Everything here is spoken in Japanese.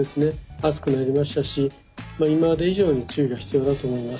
暑くなりましたし今まで以上に注意が必要だと思います。